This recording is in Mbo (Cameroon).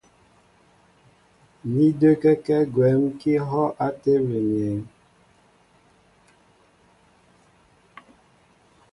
Ní də́kɛ́kɛ́ gwɛ̌m kɛ́ ihɔ́' á tébili myéŋ.